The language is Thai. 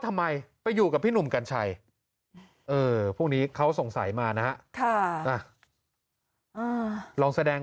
ทำไมไปอยู่กับพี่หนุ่มกัญชัยพวกนี้เขาสงสัยมานะฮะ